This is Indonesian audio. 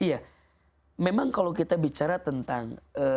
iya memang kalau kita bicara tentang